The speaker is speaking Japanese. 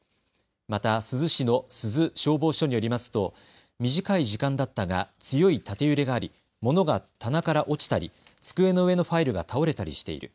また珠洲市の珠洲消防署によりますと短い時間だったが、強い縦揺れがあり、物が棚から落ちたり机の上のファイルが倒れたりしている。